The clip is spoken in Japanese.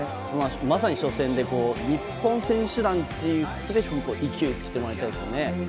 まさに初戦で日本選手団全てに勢いをつけてもらいたいですよね。